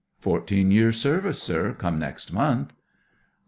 U " Fourteen years' service, sir, come next month."